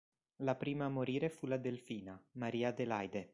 La prima a morire fu la "delfina", Maria Adelaide.